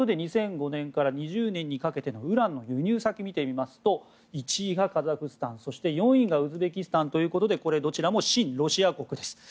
２００５年から２０年にかけてのウランの輸入先を見てみますと１位がカザフスタン４位がウズベキスタンということでどちらも親ロシア国です。